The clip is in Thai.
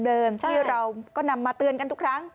เดิมที่เราก็นำมาเตือนกันทุกครั้ง